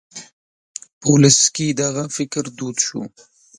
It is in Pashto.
په ولس کې دغه فکر دود شو.